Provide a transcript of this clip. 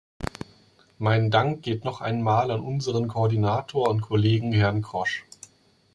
Mein Dank geht noch einmal an unseren Koordinator und Kollegen Herrn Grosch.